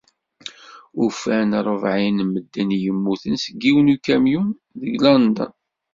Ufan rebɛin n medden i yemmuten deg yiwen ukamyun, deg London.